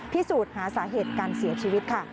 พิสูจน์หาสาเหตุการเสียชีวิตค่ะ